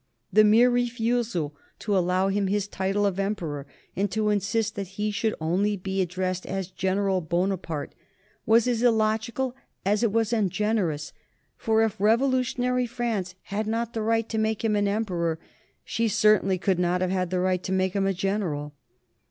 The mere refusal to allow to him his title of Emperor, and to insist that he should only be addressed as General Bonaparte, was as illogical as it was ungenerous; for if revolutionary France had not the right to make him an Emperor, she certainly could not have had the right to make him a General.